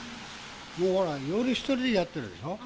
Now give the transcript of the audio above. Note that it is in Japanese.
ほら、夜１人でやってるでしょ。